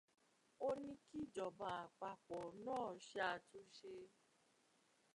Ó ní kí ìjọba àpapọ̀ náà ṣé àtúnṣe.